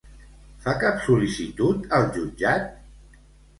Fa cap sol·licitud al jutjat?